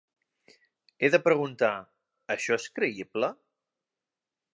He de preguntar: "Això és creïble?